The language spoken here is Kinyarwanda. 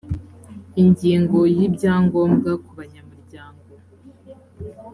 ingingo ya ibyangombwa kubanyamuryango